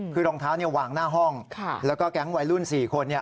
คือรองเท้าเนี่ยวางหน้าห้องแล้วก็แก๊งวัยรุ่น๔คน